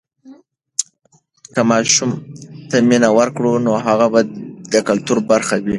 که ماشوم ته مینه ورکړو، نو هغه به د کلتور برخه وي.